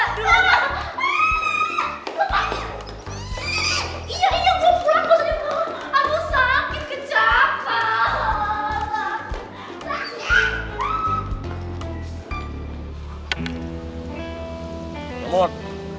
aku sakit kejap pak